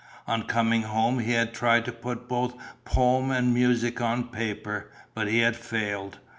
On coming home he had tried to put both poem and music on paper, but he had failed.